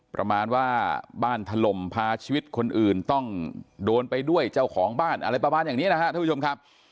ประมาณว่าบ้านถล่มพาชีวิตคนอื่นต้องโดนไปด้วยเจ้าของบ้านอะไรประมาณอย่างนี้นะครับท่านผู้ชมครับ